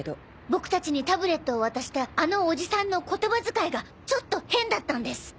僕たちにタブレットを渡したあのおじさんの言葉遣いがちょっと変だったんです。